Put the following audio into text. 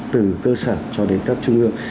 từ cơ sở cho đến cấp trung ương